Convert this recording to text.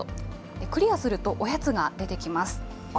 クリアするとおやつが出てきます。